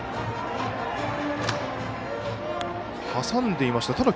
挟んでいました。